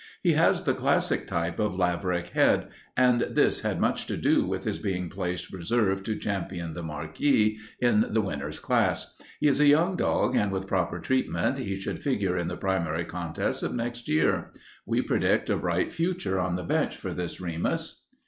He has the classic type of Laverack head, and this had much to do with his being placed reserve to Ch. The Marquis in the winners class. He is a young dog, and with proper treatment he should figure in the primary contests of next winter. We predict a bright future on the bench for this Remus."